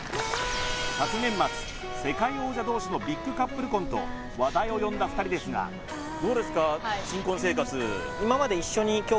昨年末世界王者同士のビッグカップル婚と話題を呼んだ２人ですがどうですか？